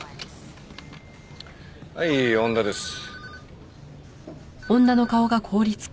はい恩田です。